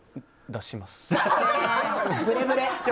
出します。